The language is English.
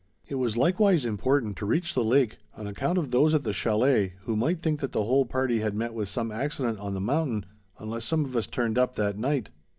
It was likewise important to reach the lake on account of those at the chalet, who might think that the whole party had met with some accident on the mountain, unless some of us turned up that night.